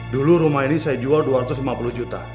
dulu rumah ini saya jual dua ratus lima puluh juta